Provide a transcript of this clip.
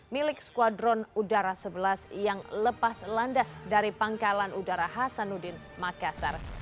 milik skuadron udara sebelas yang lepas landas dari pangkalan udara hasanuddin makassar